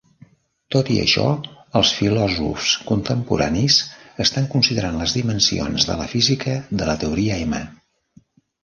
Tot i això, els filòsofs contemporanis estan considerant les dimensions de la física de la teoria M.